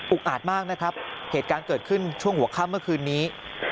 อาจมากนะครับเหตุการณ์เกิดขึ้นช่วงหัวค่ำเมื่อคืนนี้